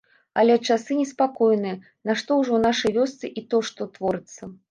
Але, часы неспакойныя, нашто ўжо ў нашай вёсцы, і то што творыцца.